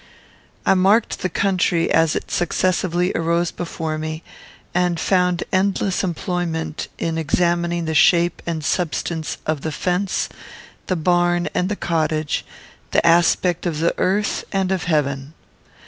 I marked the country as it successively arose before me, and found endless employment in examining the shape and substance of the fence, the barn, and the cottage, the aspect of earth and of heaven.